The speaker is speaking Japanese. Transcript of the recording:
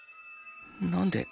なんで？